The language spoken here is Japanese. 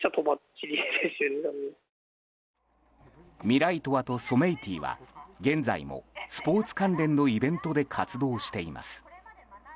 ミライトワとソメイティは現在もスポーツ関連のイベントで活動しています。